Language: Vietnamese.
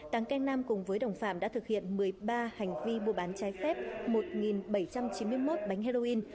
tàng canh nam cùng với đồng phạm đã thực hiện một mươi ba hành vi mua bán trái phép một nghìn bảy trăm chín mươi một bánh heroin